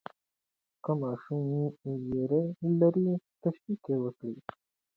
که ماشوم ویره لري، تشویق یې وکړئ.